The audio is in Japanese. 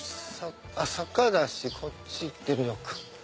坂だしこっち行ってみようか。